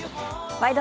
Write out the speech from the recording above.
「ワイド！